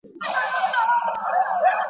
شمع به اوس څه وايی خوله نه لري!